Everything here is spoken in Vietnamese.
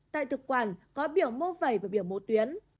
tại thực quản có biểu mô vẩy và biểu mô tuyến